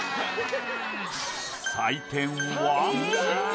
採点は。